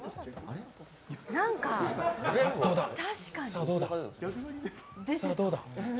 さあ、どうだ？